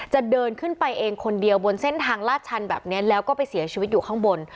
เดินขึ้นไปเองคนเดียวบนเส้นทางลาดชันแบบนี้แล้วก็ไปเสียชีวิตอยู่ข้างบน